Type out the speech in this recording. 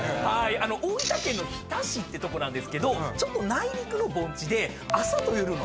大分県の日田市ってとこなんですけどちょっと内陸の盆地で朝と夜の寒暖差が大きいとこなんですね。